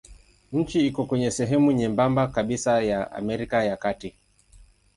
Nchi iko kwenye sehemu nyembamba kabisa ya Amerika ya Kati.